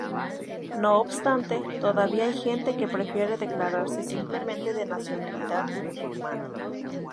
No obstante, todavía hay gente que prefiere declararse simplemente de nacionalidad musulmana.